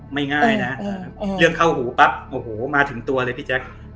ง่ายนะเรื่องเข้าหูปั๊บโอ้โหมาถึงตัวเลยพี่แจ๊ค